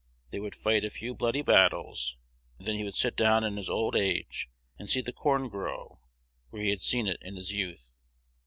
They would fight a few bloody battles, and then he would sit down in his old age and see the corn grow where he had seen it in his youth.